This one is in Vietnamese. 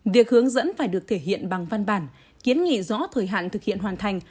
việc hướng dẫn phải được thể hiện bằng văn bản kiến nghị rõ thời hạn thực hiện hoàn thành